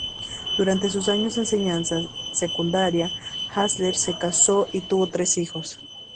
Durante sus años de enseñanza secundaria, Hassler se casó y tuvo tres hijos.